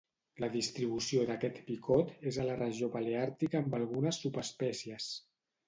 La distribució d'aquest picot és a la regió Paleàrtica amb algunes subespècies.